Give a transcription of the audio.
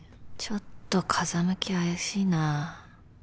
ちょっと風向き怪しいな